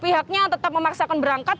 pihaknya tetap memaksakan berangkat